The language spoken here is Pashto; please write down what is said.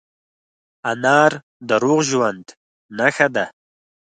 انار د روغ ژوند نښه ده.